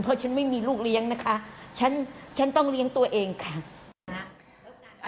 เพราะฉันไม่มีลูกเลี้ยงนะคะฉันต้องเลี้ยงตัวเองค่ะ